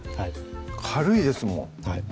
軽いですもん